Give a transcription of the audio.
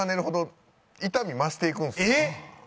えっ！